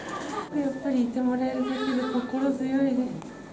やっぱりいてもらえるだけで心強いです。